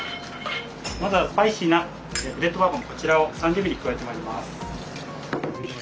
まずはスパイシーなブレットバーボンこちらを３０ミリ加えてまいります。